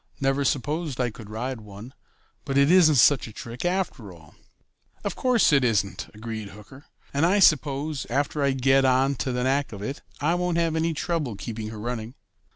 Never supposed I could ride one, but it isn't such a trick, after all." "Of course, it isn't," agreed Hooker, "and I suppose after I get onto the knack of it I won't have any trouble keeping her running."